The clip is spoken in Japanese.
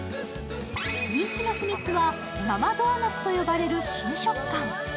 人気の秘密は生ドーナツと呼ばれる新食感。